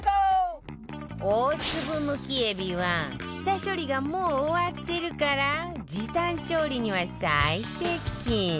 大粒むきえびは下処理がもう終わってるから時短調理には最適